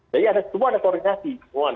jadi ada semua ada koordinasi